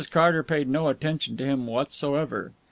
Carter paid no attention to him whatsoever.